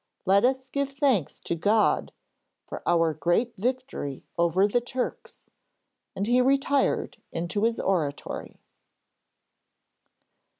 Let us give thanks to God for our great victory over the Turks,' and he retired into his oratory.